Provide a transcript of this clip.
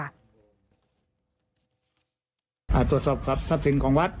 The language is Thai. ตรวจสอบทรัพย์สินของวัด